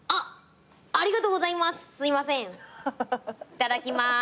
いただきまーす。